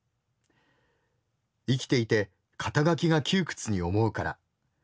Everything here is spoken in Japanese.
生きていて肩書が窮屈に思うから。